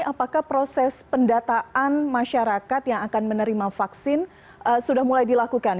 apakah proses pendataan masyarakat yang akan menerima vaksin sudah mulai dilakukan